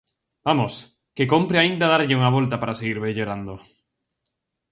Vamos, que cómpre aínda darlle unha volta para seguir mellorando.